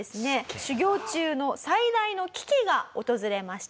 修行中の最大の危機が訪れました。